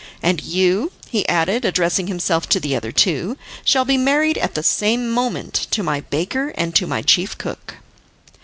And you," he added, addressing himself to the other two, "shall be married at the same moment to my baker and to my chief cook."